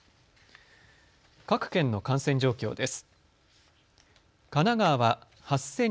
各県の感染状況です。